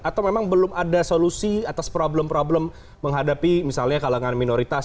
atau memang belum ada solusi atas problem problem menghadapi misalnya kalangan minoritas